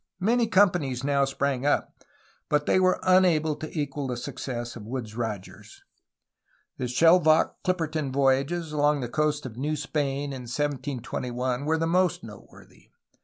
Many companies now sprang up, but they were unable to equal the success of Woodes Rogers. The Shel vocke Clipperton voyages along the coast of New Spain in 1721 were the most noteworthy.